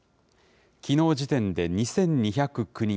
きのう時点で２２０９人。